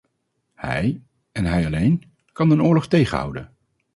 Hij, en hij alleen, kan een oorlog tegenhouden.